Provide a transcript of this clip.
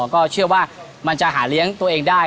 ก็เชื่อว่ามันจะหาเลี้ยงตัวเองได้